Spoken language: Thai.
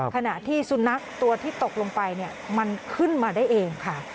ขณะที่สุนัขตัวที่ตกลงไปมันขึ้นมาได้เองค่ะ